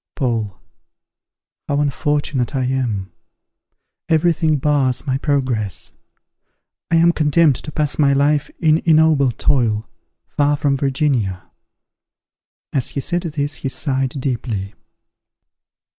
Paul. How unfortunate I am! Every thing bars my progress. I am condemned to pass my life in ignoble toil, far from Virginia. As he said this he sighed deeply.